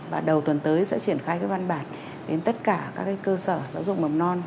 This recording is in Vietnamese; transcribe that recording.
và đầu tuần tới sẽ triển khai văn bản đến tất cả các cơ sở giáo dục mầm non